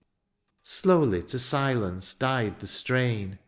Slowly to silence died the strain.